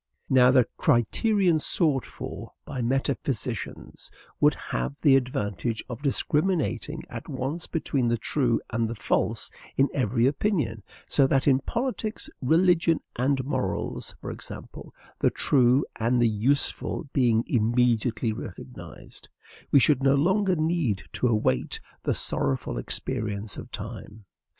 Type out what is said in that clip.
Now, the criterion sought for by metaphysicians would have the advantage of discriminating at once between the true and the false in every opinion; so that in politics, religion, and morals, for example, the true and the useful being immediately recognized, we should no longer need to await the sorrowful experience of time.